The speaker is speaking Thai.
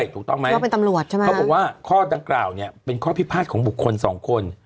ถูกต้องไหมเขาบอกว่าข้อดังกล่าวเนี่ยเป็นข้อพิพาทของบุคคลสองคน